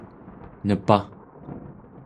nepaᵉ